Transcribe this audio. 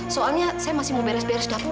soalnya saya masih mau beres beres dapur